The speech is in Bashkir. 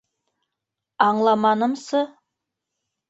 Аңламанымсы...